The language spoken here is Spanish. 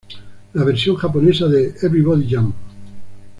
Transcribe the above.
La versión japonesa de "Everybody Jam!